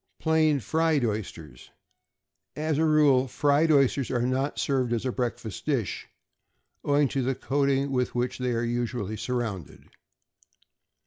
=Plain Fried Oysters.= As a rule, fried oysters are not served as a breakfast dish, owing to the coating with which they are usually surrounded.